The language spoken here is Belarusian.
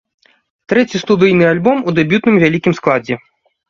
Трэці студыйны альбом у дэбютным вялікім складзе.